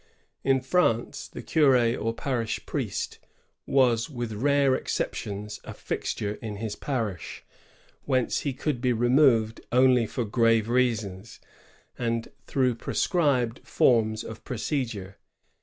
In France, the curd or parish priest was, with rare exceptions, a fixture in his parish, whence he could be removed only for grave reasons, and through prescribed forms of procedure.